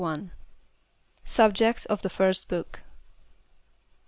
Subject of the Fmsx Book.